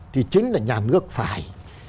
thì chính là nhà nước phải